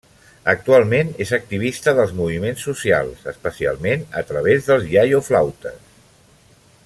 Actualment és activista dels moviments socials, especialment a través dels iaioflautes.